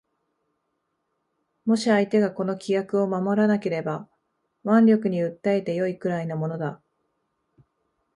もし相手がこの規約を守らなければ腕力に訴えて善いくらいのものだ